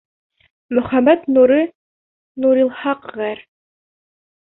Мөхәммәт нуры Нурилхаҡ ғәр.